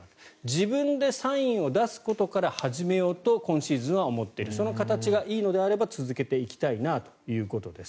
自分でサインを出すことから始めようと今シーズンは思っているその形がいいのであれば続けていきたいということです。